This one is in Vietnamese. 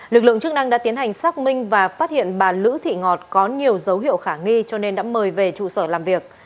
lực lượng chức năng đã tiến hành xác minh và phát hiện bà lữ thị ngọt có nhiều dấu hiệu khả nghi cho nên đã mời về trụ sở làm việc